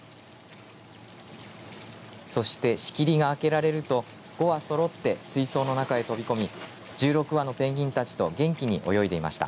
そして、仕切りが開けられると５羽そろって水槽の中へ飛び込み１６羽のペンギンたちと元気に泳いでいました。